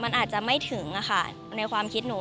มันอาจจะไม่ถึงค่ะในความคิดหนู